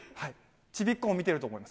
ちびっ子も見てると思います。